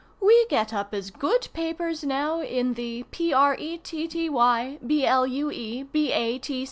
We get up as good papers now in the P. R. E. T. T. Y. B. L. U. E. B. A.